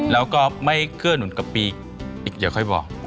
แล้วก็ไม่เกื้อหนุนกับปีอีกเดี๋ยวค่อยบอก